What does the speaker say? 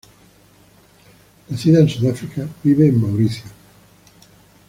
Nacida en Sudáfrica vive en Mauricio.